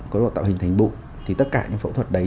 có độ tạo hình thành bụng thì tất cả những phẫu thuật đấy